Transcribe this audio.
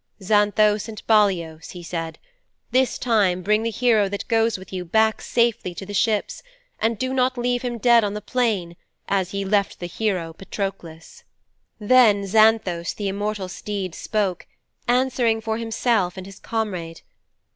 "Xanthos and Balios," he said, "this time bring the hero that goes with you back safely to the ships, and do not leave him dead on the plain as ye left the hero Patroklos."' 'Then Xanthos the immortal steed spoke, answering for himself and his comrade.